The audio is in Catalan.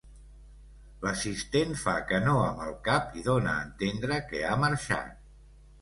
L'assistent fa que no amb el cap i dona a entendre que ha marxat.